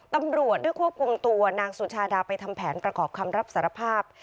ตำรวจได้ควบคุมตัวนางสุชาดาไปทำแผนประกอบคำรับสารภาพ